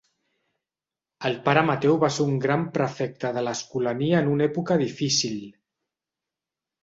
El pare Mateu va ser un gran prefecte de l'Escolania en una època difícil.